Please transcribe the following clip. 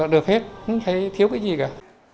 được hết không thấy thiếu cái gì cả